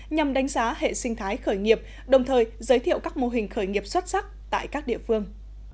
nhằm đánh giá hệ sinh thái khởi nghiệp đồng thời giới thiệu các mô hình khởi nghiệp xuất sắc tại các địa phương